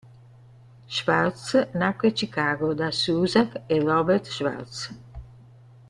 Swartz nacque a Chicago, da Susan e Robert Swartz.